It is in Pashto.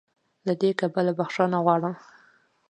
له دې کبله "بخښنه غواړي"